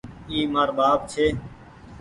اي مآر ٻآپ ڇي۔